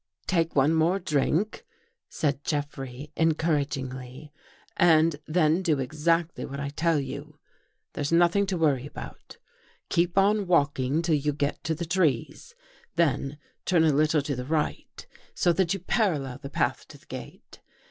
"Take one more drink," said Jeffrey encourag ingly, " and then do exactly what I tell you. There's nothing to worry about. Keep on walking till you get to the trees, then turn a little to the right, so that you parallel the path to the gate.